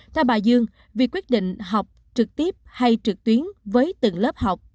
theo bà dương việc quyết định học trực tiếp hay trực tuyến với từng lớp học